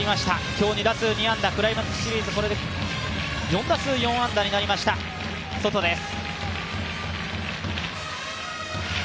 今日２打数２安打、クライマックスシリーズ、これで４打数４安打になりましたソトです。